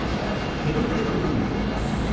てるてる人形です。